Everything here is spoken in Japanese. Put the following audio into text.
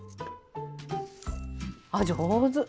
あっ上手。